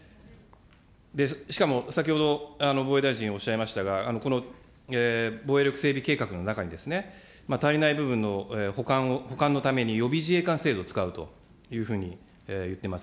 しかも先ほど、防衛大臣おっしゃいましたが、この防衛力整備計画の中にですね、足りない部分の補完のために、予備自衛官制度を使うというふうに言っています。